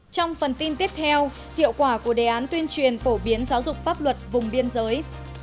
trong phần tin tiếp theo hiệu quả của đề án tuyên truyền phổ biến giáo dục pháp luật vùng biên giới